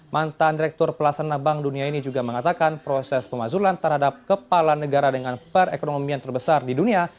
mantan direktur pelasana bank dunia ini juga mengatakan proses pemazulan terhadap kepala negara dengan perekonomian terbesar di dunia